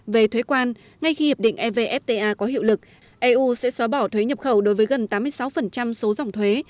về thuế quan ngay khi hiệp định evfta có hiệu lực eu sẽ xóa bỏ thuế nhập khẩu đối với gần tám mươi sáu số dòng thuế